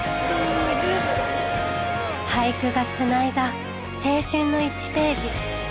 俳句がつないだ青春の１ページ。